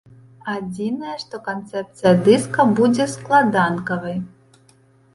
Адзінае, што канцэпцыя дыска будзе складанкавай.